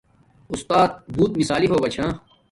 اُستات بوت مسثالی ہوگا چھا